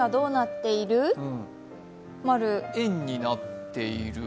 円になっている？